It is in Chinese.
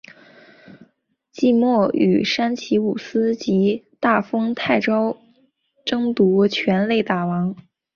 季末与山崎武司及大丰泰昭争夺全垒打王。